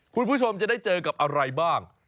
คุณผู้ชมจะได้เจอกับอะไรบ้าง